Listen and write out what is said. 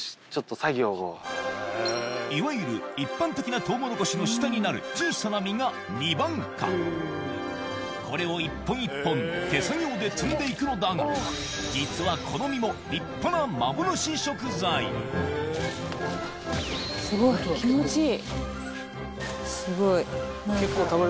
いわゆる一般的なトウモロコシの下になる小さな実が２番果これを１本１本手作業で摘んでいくのだが実はすごい気持ちいい。